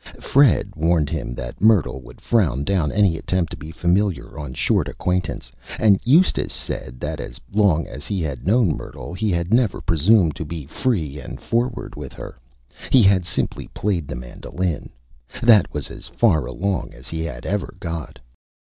Fred warned him that Myrtle would frown down any Attempt to be Familiar on Short Acquaintance, and Eustace said that as long as he had known Myrtle he had never Presumed to be Free and Forward with her. He had simply played the Mandolin. That was as Far Along as he had ever got.